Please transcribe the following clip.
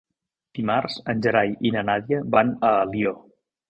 Dimarts en Gerai i na Nàdia van a Alió.